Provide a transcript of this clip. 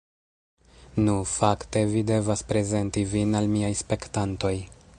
Nu, fakte, vi devas prezenti vin al miaj spektantoj